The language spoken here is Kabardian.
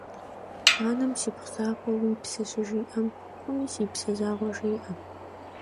Anem «sipxhu zakhue yi pse» şıjji'em, pxhumi «si pse» jji'eu xuêjaş.